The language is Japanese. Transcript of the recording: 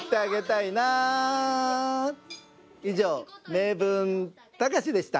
「名文たかし」でした。